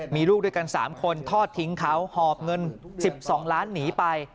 มีลูกด้วยกัน๓คนทอดทิ้งเขาหอบเงิน๑๒ล้านหนีไป